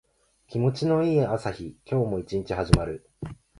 気持ちの良い朝日。今日も一日始まる。